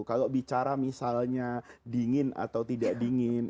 kalau bicara misalnya dingin atau tidak dingin